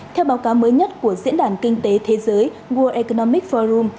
theo báo cáo mới nhất của diễn đàn kinh tế thế giới world economic forum